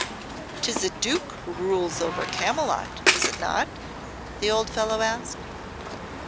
"'Tis a Duke who rules over Camylott, is't not?" the old fellow asked.